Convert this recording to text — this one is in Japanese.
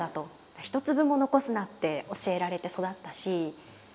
一粒も残すなって教えられて育ったし。